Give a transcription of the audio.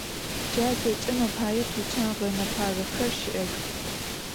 Ca zeç'em apaê tuçan ğenefağexer şı'ex.